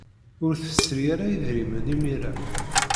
Ur tesri ara idrimen imir-a.